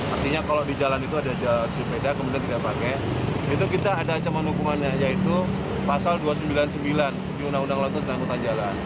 artinya kalau di jalan itu ada jalur sepeda kemudian tidak pakai itu kita ada ancaman hukumannya yaitu pasal dua ratus sembilan puluh sembilan di undang undang laut dan angkutan jalan